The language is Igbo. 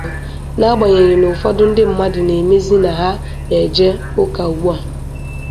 n'agbanyeghị na ụfọdụ ndị mmadụ na-emezị na ha na-eje ụka ugbua